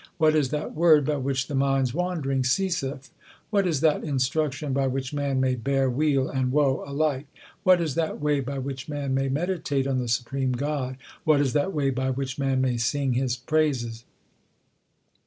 What is that word by which the mind s wandering ceaseth ? What is that instruction by which man may bear weal and woe alike ? What is that way by which man may meditate on the Supreme God ? What is that way by which man may sing His praises